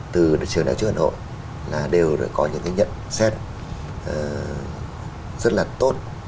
từ trường đại học trường hà nội là đều có những cái nhận xét rất là tốt